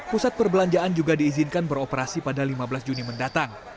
pusat perbelanjaan juga diizinkan beroperasi pada lima belas juni mendatang